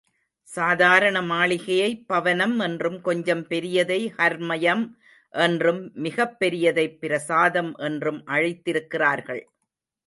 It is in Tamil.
சாதாரண மாளிகையை பவனம் என்றும், கொஞ்சம் பெரியதை ஹர்மயம் என்றும் மிகப் பெரியதை பிரசாதம் என்றும் அழைத்திருக்கிறார்கள்.